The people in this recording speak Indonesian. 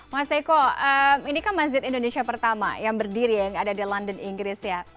mas eko ini kan masjid indonesia pertama yang berdiri yang ada di london inggris ya